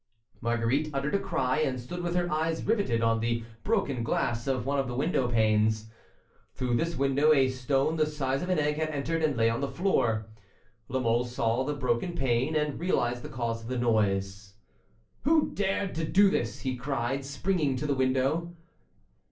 Marguerite uttered a cry, and stood with her eyes riveted on the broken glass of one of the window panes. Through this window a stone the size of an egg had entered and lay on the floor. La Mole saw the broken pane, and realized the cause of the noise. "Who dared to do this?" he cried, springing to the window.